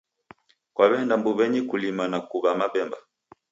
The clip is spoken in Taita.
Kwaw'eenda mbuw'enyi kulima na kuw'a mapemba.